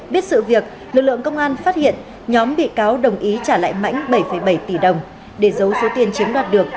biết sự việc lực lượng công an phát hiện nhóm bị cáo đồng ý trả lại mãnh bảy bảy tỷ đồng để giấu số tiền chiếm đoạt được